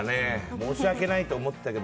申し訳ないと思ったけど。